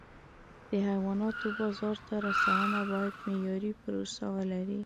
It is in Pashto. د حیواناتو بازار ته رسونه باید معیاري پروسه ولري.